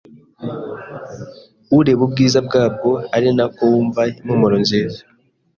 ureba ubwiza bwabwo ari na ko wumva impumuro nziza